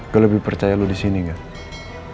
gue lebih percaya lo disini gak